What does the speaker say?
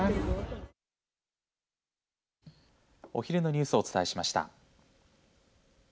お昼のニュースをお伝えしました。